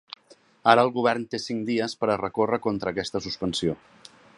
Ara el govern té cinc dies per a recórrer contra aquesta suspensió.